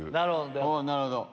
なるほど。